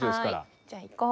じゃ行こう。